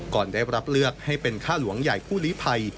ก่อนได้รับเลือกให้เป็นค่าหลวงใหญ่ผู้ลีภัย